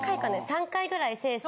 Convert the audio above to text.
３回ぐらい清楚。